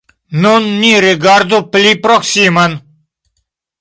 Nun ni rigardu pli proksimen.